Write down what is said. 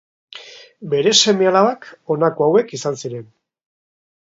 Bere seme-alabak, honako hauek izan ziren.